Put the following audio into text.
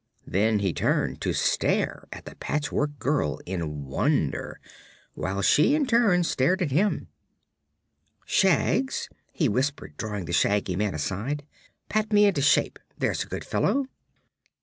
Then he turned to stare at the Patchwork Girl in wonder, while she in turn stared at him. "Shags," he whispered, drawing the Shaggy Man aside, "pat me into shape, there's a good fellow!"